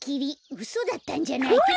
うそだったんじゃないかな。